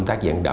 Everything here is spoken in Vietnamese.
tôi hiển bả